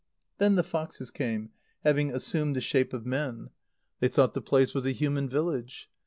Then the foxes came, having assumed the shape of men. They thought the place was a human village.